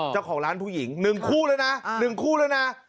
เจ้าของร้านผู้หญิงหนึ่งคู่เลยนะหนึ่งคู่เลยนะ